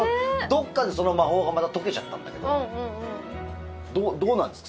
どこかでその魔法はまた解けちゃったんだけど。